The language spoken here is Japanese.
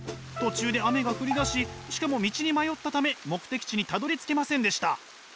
途中で雨が降りだししかも道に迷ったため目的地にたどりつけませんでした。